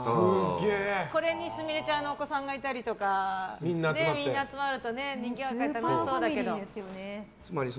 これに、すみれちゃんのお子さんがいたりとかみんな集まると楽しそうだけど。